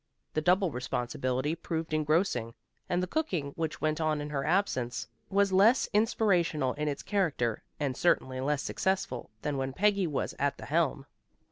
The double responsibility proved engrossing, and the cooking which went on in her absence was less inspirational in its character, and certainly less successful, than when Peggy was at the helm.